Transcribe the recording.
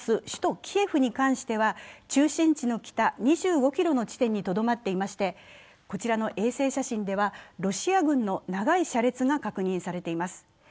首都キエフに関しては中心地の北２５ｋｍの地点にとどまっていましてこちらの衛星写真ではロシア軍の長い車列が確認されています。